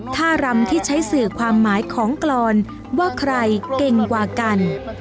ท่ารำที่ใช้สื่อความหมายของกรอนว่าใครเก่งกว่ากัน